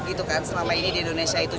gitu kan selama ini di indonesia itu